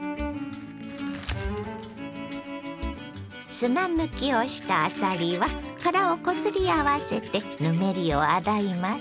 砂抜きをしたあさりは殻をこすり合わせてぬめりを洗います。